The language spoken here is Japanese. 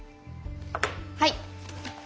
はい。